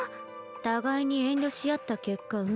互いに遠慮し合った結果運